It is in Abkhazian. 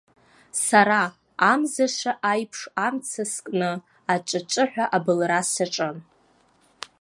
Сара, амзаша аиԥш амца скны, аҿҿа-ҿҿаҳәа абылра саҿын.